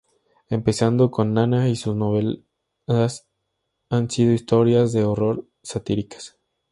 Empezando con "Nana", sus novelas han sido historias de horror satíricas.